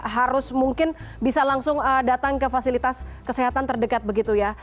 harus mungkin bisa langsung datang ke fasilitas kesehatan terdekat begitu ya